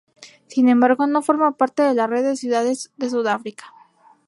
Sin embargo, no forma parte de la Red de las Ciudades de Sudáfrica.